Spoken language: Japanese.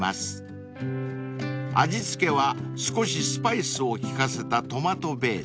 ［味付けは少しスパイスを利かせたトマトベース］